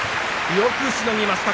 よくしのぎました